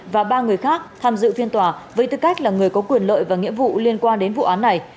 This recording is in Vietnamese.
và ba người khác tham dự phiên tòa với tư cách là người có quyền lợi và nghĩa vụ liên quan đến vụ án này